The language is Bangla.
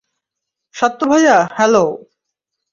সাত্তু ভাইয়া, হ্যালো।